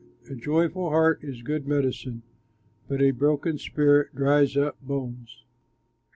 A joyful heart is good medicine, But a broken spirit dries up the bones.